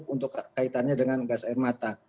untuk kaitannya dengan gas air mata